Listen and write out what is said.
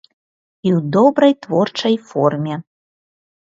І ў добрай творчай форме.